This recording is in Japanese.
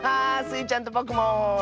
スイちゃんとぼくも。